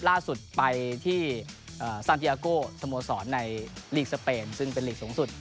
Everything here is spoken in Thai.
ล่าสุดไปที่ซานเกียโกสโมสรในลีกสเปนซึ่งเป็นลีกสูงสุด